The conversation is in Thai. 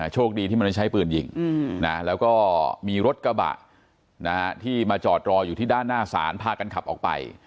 โชคดีที่มันไม่ใช้ปืนยิงแล้วก็มีรถกระบะที่มาจอดรออยู่ที่ด้านหน้าศาลพากันขับออกไป